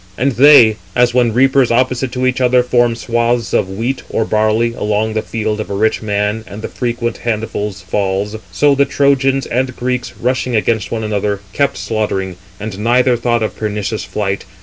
And they,—as when reapers opposite to each other form swathes of wheat or barley along the field of a rich man, and the frequent handfuls fall,—so the Trojans and Greeks, rushing against one another, kept slaughtering: and neither thought of pernicious flight.